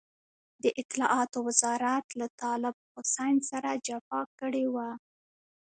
د اطلاعاتو وزارت له طالب حسين سره جفا کړې وه.